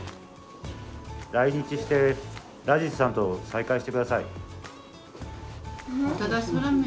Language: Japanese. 来日してラジズさんと再会してください。